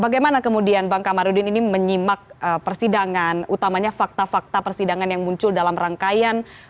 bagaimana kemudian bang kamarudin ini menyimak persidangan utamanya fakta fakta persidangan yang muncul dalam rangkaian